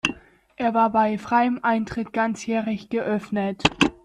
Er war bei freiem Eintritt ganzjährig geöffnet.